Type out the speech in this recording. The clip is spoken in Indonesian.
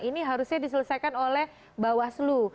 ini harusnya diselesaikan oleh bawah selu